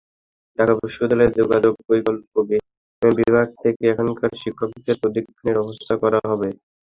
ঢাকা বিশ্ববিদ্যালয়ের যোগাযোগ বৈকল্য বিভাগ থেকে এখানকার শিক্ষকদের প্রশিক্ষণের ব্যবস্থা করা হবে।